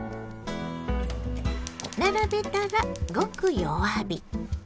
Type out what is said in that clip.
並べたらごく弱火。